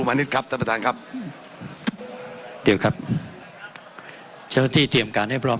ในเมื่อมีคนหรือท่านประธานสักครึ่งนาทีได้ไหมครับ